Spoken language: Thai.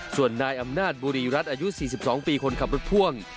ส่วนนายอำนาจบุรีรัฐอายุ๔๒ปีคนขับรถพ่วง